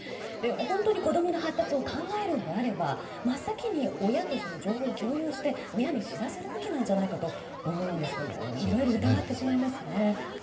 本当に子供の発達を考えるのであれば真っ先に親と情報を共有して親に知らせるべきなのではと思うのですがいろいろ疑ってしまいますね。